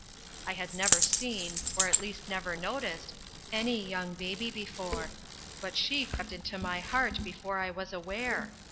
I had never seen, or at least never noticed, any young baby before; but she crept into my heart before I was aware.